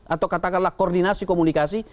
atau katakanlah koordinasi komunikasi